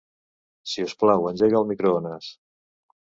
Si us plau, engega el microones.